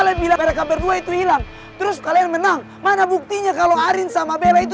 alaibila mereka berdua itu hilang terus kalian menang mana buktinya kalau arin sama bella itu